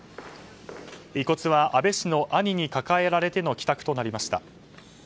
遺骨は安倍氏の兄に抱えられての帰宅となりました。